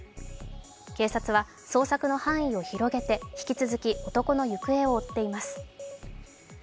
警察は捜索の範囲を広げて引き続き男の行方を追っています。